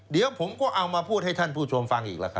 เดี๋ยวผมก็เอามาพูดให้ท่านผู้ชมฟังอีก